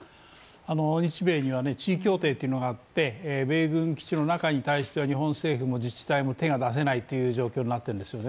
日米には地位協定というのがあって米軍基地の中に対しては日本政府も自治体も手が出せないという状況になってるんですよね